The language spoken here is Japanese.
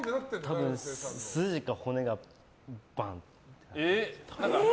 多分、筋か骨がバンって。